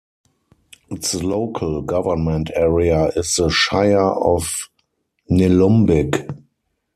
Its Local Government Area is the Shire of Nillumbik.